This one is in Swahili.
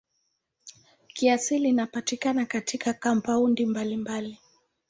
Kiasili inapatikana katika kampaundi mbalimbali.